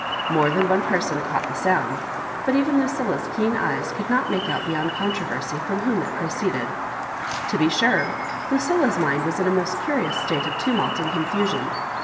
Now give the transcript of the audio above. More than one person caught the sound, but even Lucilla's keen eyes could not make out beyond controversy from whom it pro ceeded.'^ To be sure, Lucilla's mind was in a most curious state of tumult and confusion.